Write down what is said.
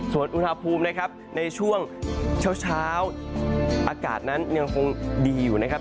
ส่วนอุณหภูมินะครับในช่วงเช้าอากาศนั้นยังคงดีอยู่นะครับ